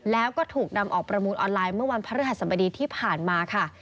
แล้วก็ถูกนำออกประมูลออนไลน์เมื่อวันพระฤหัสบดีที่ผ่านมาค่ะ